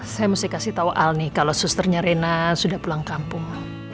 saya mesti kasih tau al nih kalau susternya rena sudah pulang kampung